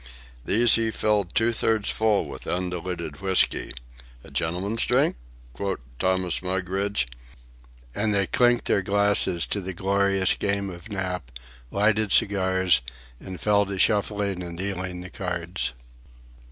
These he filled two thirds full with undiluted whisky—"a gentleman's drink?" quoth Thomas Mugridge,—and they clinked their glasses to the glorious game of "Nap," lighted cigars, and fell to shuffling and dealing the cards.